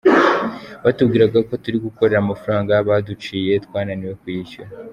Batubwiraga ko turi gukorera amafaranga baduciye, twananiwe kuyishyura.